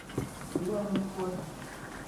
หรือว่าไม่ควร